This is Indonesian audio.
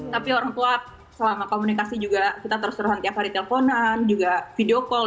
tapi orang tua selama komunikasi juga kita terus terusan tiap hari teleponan juga video call